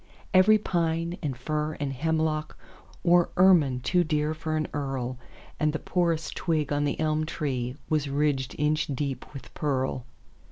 Every pine and fir and hemlockWore ermine too dear for an earl, And the poorest twig on the elm treeWas ridged inch deep with pearl.